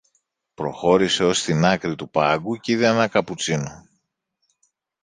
Προχώρησε ως την άκρη του πάγκου και είδε έναν καπουτσίνο